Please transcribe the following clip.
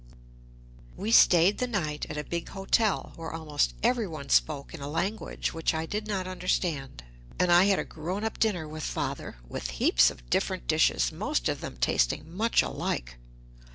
We stayed the night at a big hotel where almost everyone spoke in a language which I did not understand, and I had a grown up dinner with Father, with heaps of different dishes, most of them tasting much alike.